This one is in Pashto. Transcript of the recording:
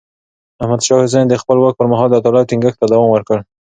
احمد شاه حسين د خپل واک پر مهال د عدالت ټينګښت ته دوام ورکړ.